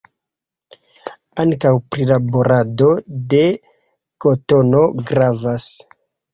Ankaŭ prilaborado de kotono gravas.